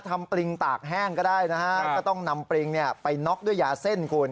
ปริงตากแห้งก็ได้นะฮะก็ต้องนำปริงเนี่ยไปน็อกด้วยยาเส้นคุณ